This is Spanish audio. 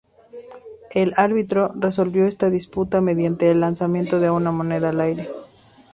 El árbitro resolvió esa disputa mediante el lanzamiento de una moneda al aire.